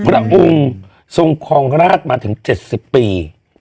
พระองค์ทรงครองราชมาถึง๗๐ปี